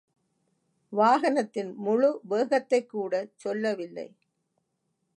வாகனத்தின் முழு, வேகத்தைக்கூடச் சொல்லவில்லை.